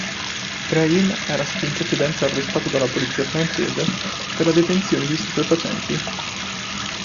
Brahim era stato in precedenza arrestato dalla polizia francese per la detenzione di stupefacenti.